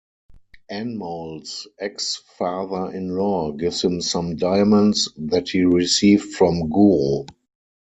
Anmol's ex-father-in-law gives him some diamonds that he received from Guru.